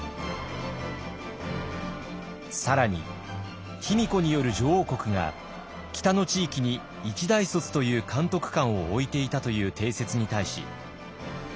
更に卑弥呼による女王国が北の地域に一大卒という監督官を置いていたという定説に対し。